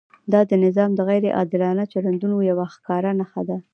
دا د نظام د غیر عادلانه چلندونو یوه ښکاره نښه ده.